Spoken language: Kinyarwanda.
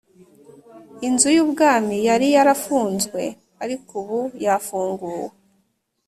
Inzu yUbwami yari yarafunzwe ariko ubu yafunguwe